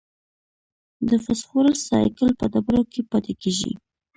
د فوسفورس سائیکل په ډبرو کې پاتې کېږي.